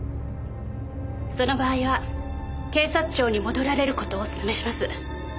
その場合は警察庁に戻られる事をお勧めします。